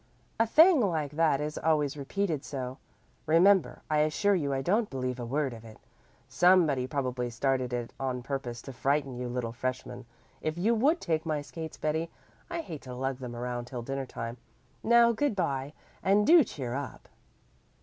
A thing like that is always repeated so. Remember, I assure you I don't believe a word of it. Somebody probably started it on purpose to frighten you little freshmen. If you would take my skates, Betty. I hate to lug them around till dinner time. Now good bye, and do cheer up."